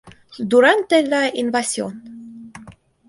Durante la "invasión!